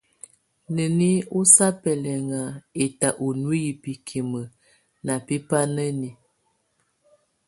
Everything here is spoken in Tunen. Nəni ɔsa bɛlinŋa ɛta ɔ nuiyi bikimə ná bɛ́ bánáni.